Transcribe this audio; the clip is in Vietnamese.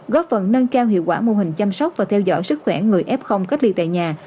góp phần nâng cao hiệu quả mô hình chăm sóc và theo dõi sức khỏe người f cách ly tại nhà